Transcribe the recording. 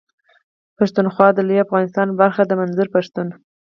پښتونخوا د لوی افغانستان برخه ده منظور پښتون.